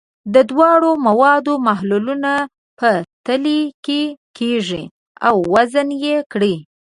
د دواړو موادو محلولونه په تلې کې کیږدئ او وزن یې کړئ.